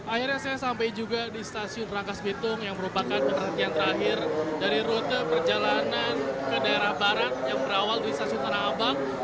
akhirnya saya sampai juga di stasiun rangkas bitung yang merupakan penertian terakhir dari rute perjalanan ke daerah barat yang berawal dari stasiun tanah abang